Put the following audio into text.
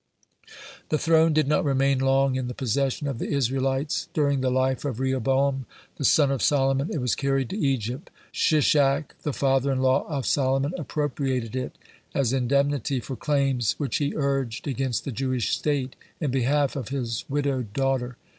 (70) The throne did not remain long in the possession of the Israelites. During the life of Rehoboam, the son of Solomon, it was carried to Egypt. Shishak, the father in law of Solomon, appropriated it as indemnity for claims which he urged against the Jewish state in behalf of his widowed daughter.